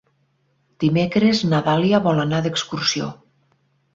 Dimecres na Dàlia vol anar d'excursió.